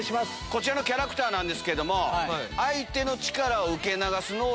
こちらのキャラクターですけど。